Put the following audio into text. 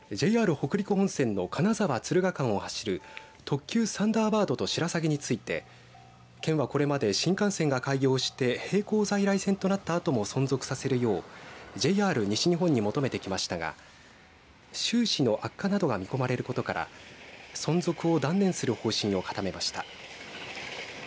北陸本線の金沢、敦賀間を走る東急サンダーバードとしらさぎについて県は、これまで新幹線が開業して並行在来線となったあとも存続させるようＪＲ西日本に求めてきましたが収支の悪化などが見込まれることから存続を断念する方針を固めました。